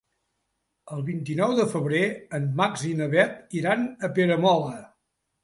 El vint-i-nou de febrer en Max i na Bet iran a Peramola.